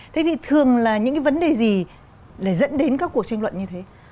thế thì thường là những cái vấn đề gì lại dẫn đến các cuộc tranh luận như thế